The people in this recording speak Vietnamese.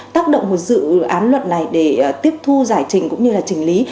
tác động của dự án luật này để tiếp thu giải trình cũng như là chỉnh lý